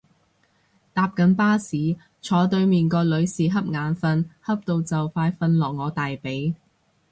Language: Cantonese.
搭緊巴士，坐對面個女士恰眼瞓恰到就快瞓落我大髀